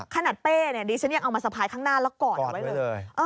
เป้เนี่ยดิฉันยังเอามาสะพายข้างหน้าแล้วกอดเอาไว้เลย